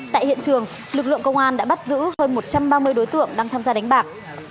tại hiện trường lực lượng công an đã bắt giữ hơn một trăm ba mươi đối tượng đang tham gia đánh bạc